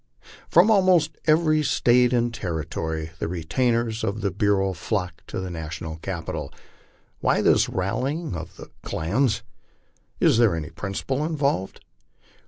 From almost every State and territory the retainers of the bureau flock to the national capital. Why this rallying of the clans? Is there any principle involved?